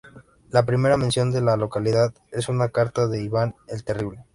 La primera mención de la localidad es en una carta de Iván el Terrible.